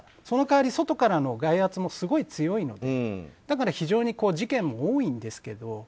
その代わり外からの外圧も非常に強くてだから非常に事件も多いんですけど。